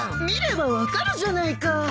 見れば分かるじゃないか。